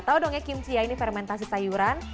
tau dong ya kimchi ya ini fermentasi sayuran